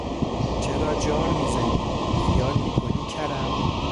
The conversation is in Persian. چرا جار میزنی، خیال میکنی کرم!